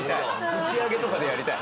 打ち上げとかでやりたい。